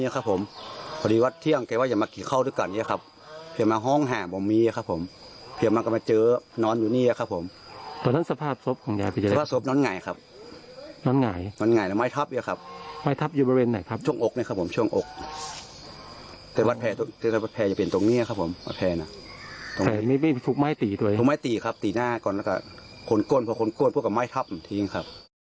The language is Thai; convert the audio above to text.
คนก้นเพราะคนก้นพวกกับไม้ทัพทิ้งครับ